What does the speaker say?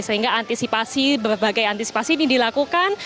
sehingga antisipasi berbagai antisipasi ini dilakukan